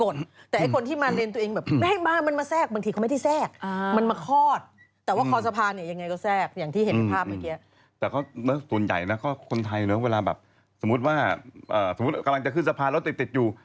สมมุติกำลังจะขึ้นสะพานแล้วติดอยู่